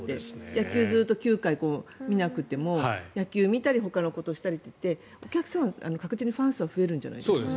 野球を９回見なくても野球見たりほかのことをしたりって確実にファン層は増えるんじゃないですか。